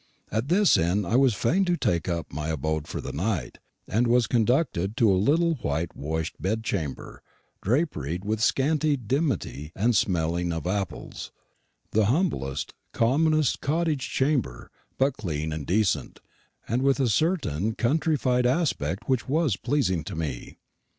At this inn I was fain to take up my abode for the night, and was conducted to a little whitewashed bedchamber, draperied with scanty dimity and smelling of apples the humblest, commonest cottage chamber, but clean and decent, and with a certain countrified aspect which was pleasing to me.